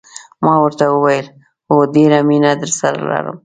ما ورته وویل: هو، ډېره مینه درسره لرم.